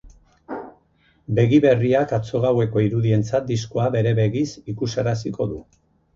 Begi berriak atzo gaueko irudientzat diskoa bere begiz ikusaraziko du.